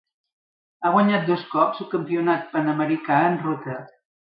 Ha guanyat dos cops el Campionat panamericà en ruta.